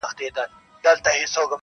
• جهاني ما خو قاصد ور استولی -